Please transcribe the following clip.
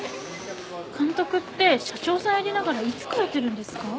監督って社長さんやりながらいつ書いてるんですか？